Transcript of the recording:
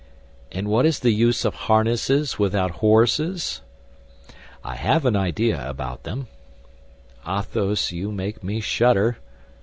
"But what is the use of harnesses without horses?" "I have an idea about them." "Athos, you make me shudder."